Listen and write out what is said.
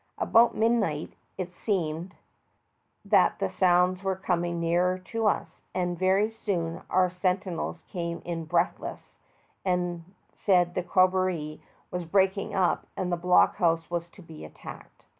About midnight it seemed that the sounds were coming nearer to us, and very soon our sentinels came in breathless, and said the corroboree was breaking up, and the block house was to be attacked.